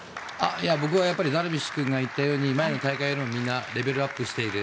僕はダルビッシュ君が言ったように前の大会よりみんなレベルアップしている。